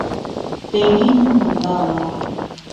بهینەی من منداڵە